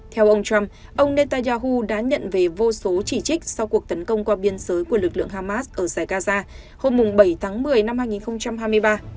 theo ông trump ông netanyahu đã nhận về vô số chỉ trích sau cuộc tấn công qua biên giới của lực lượng hamas ở dài gaza hôm bảy tháng một mươi năm hai nghìn hai mươi ba